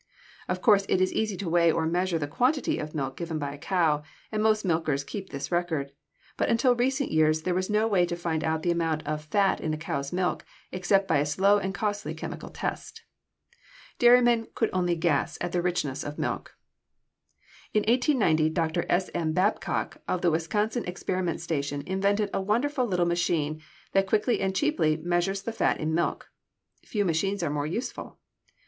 Of course it is easy to weigh or measure the quantity of milk given by a cow, and most milkers keep this record; but until recent years there was no way to find out the amount of fat in a cow's milk except by a slow and costly chemical test. Dairymen could only guess at the richness of milk. In 1890 Dr. S. M. Babcock of the Wisconsin Experiment Station invented a wonderful little machine that quickly and cheaply measures the fat in milk. Few machines are more useful.